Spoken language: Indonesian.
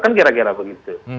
kan kira kira begitu